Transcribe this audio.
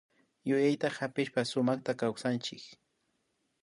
Yuyayta hapishpa sumakta kawsashunchik